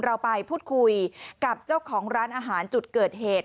เราไปพูดคุยกับเจ้าของร้านอาหารจุดเกิดเหตุ